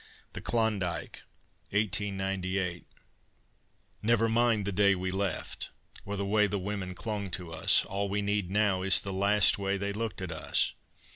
THE KLONDIKE Never mind the day we left, or the way the women clung to us; All we need now is the last way they looked at us.